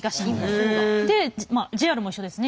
ＪＲも一緒ですね